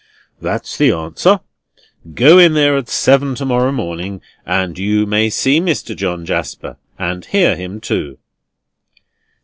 "That's the answer. Go in there at seven to morrow morning, and you may see Mr. John Jasper, and hear him too."